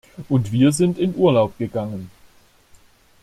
Und wir sind in Urlaub gegangen!